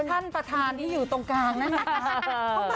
ท่านประธานที่อยู่ตรงกลางนั่นนะคะ